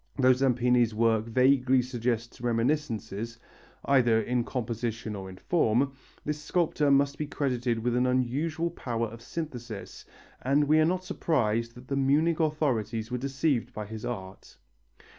Though Zampini's works vaguely suggest reminiscences either in composition or in form this sculptor must be credited with an unusual power of synthesis, and we are not surprised that the Munich authorities were deceived by his art.